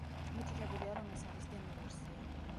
მითითებულია, რომ ეს არის დემო-ვერსია.